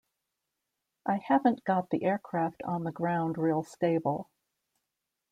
I haven't got the aircraft on the ground real stable.